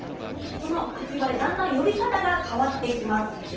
この秋晴れだんだん呼び方が変わってきます。